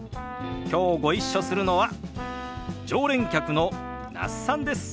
きょうご一緒するのは常連客の那須さんです。